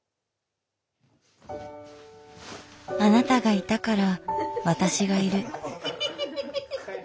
あなたがいたから私がいる。